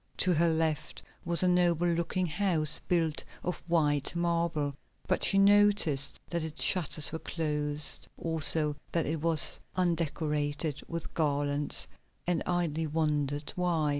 To her left was a noble looking house built of white marble, but she noticed that its shutters were closed, also that it was undecorated with garlands, and idly wondered why.